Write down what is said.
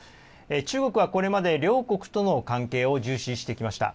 中国はこれまで両国との関係を重視してきました